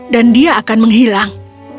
dan dia akan menghilang